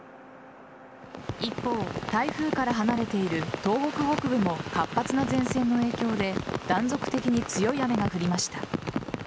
一方、台風から離れている東北北部も活発な前線の影響で断続的に強い雨が降りました。